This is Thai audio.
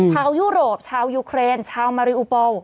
ชาวยุโรปชาวยุเครนชาวมาริอุบัล